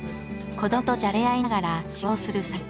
子どもとじゃれ合いながら仕事をする斎藤。